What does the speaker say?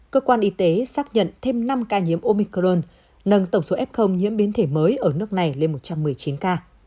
cơ quan y tế xác nhận thêm năm ca nhiễm omicron nâng tổng số f nhiễm biến thể mới ở nước này lên một trăm một mươi chín ca